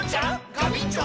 ガビンチョ！